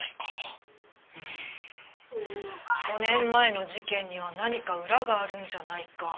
５年前の事件には何か裏があるんじゃないか。